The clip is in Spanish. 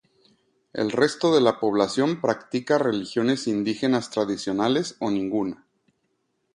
El resto de la población practica religiones indígenas tradicionales o ninguna.